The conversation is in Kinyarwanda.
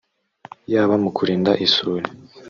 yaba mu kurinda isuri